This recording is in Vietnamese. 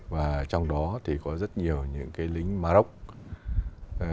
và trong đó thì có rất nhiều những cái lính morocco